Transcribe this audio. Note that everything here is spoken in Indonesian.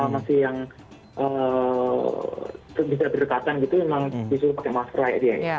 jadi yang bisa berdekatan gitu memang disuruh pakai masker ya